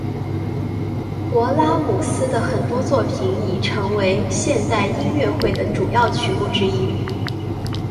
勃拉姆斯的很多作品已成为现代音乐会的主要曲目之一。